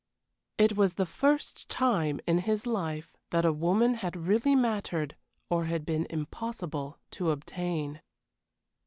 It was the first time in his life that a woman had really mattered or had been impossible to obtain.